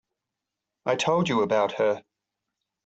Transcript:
I told you about her.